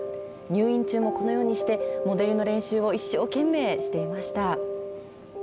入院中もこのようにしてモデルの練習を一生懸命していました。